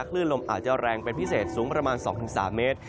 คลื่นลมอาจจะแรงเป็นพิเศษสูงประมาณ๒๓เมตร